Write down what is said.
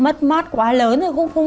mất mắt quá lớn